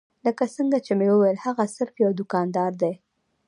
لکه څنګه چې مې وويل هغه صرف يو دوکاندار دی.